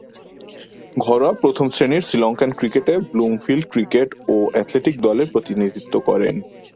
ঘরোয়া প্রথম-শ্রেণীর শ্রীলঙ্কান ক্রিকেটে ব্লুমফিল্ড ক্রিকেট ও অ্যাথলেটিক দলের প্রতিনিধিত্ব করেন।